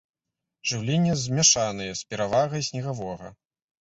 Жыўленне змяшанае, з перавагай снегавога.